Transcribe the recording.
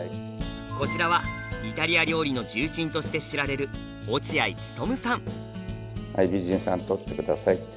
こちらはイタリア料理の重鎮として知られるはい美人さん撮って下さい。